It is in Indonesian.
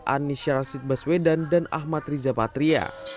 anishyara sidbaswedan dan ahmad rizapatria